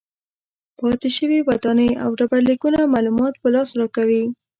پاتې شوې ودانۍ او ډبرلیکونه معلومات په لاس راکوي.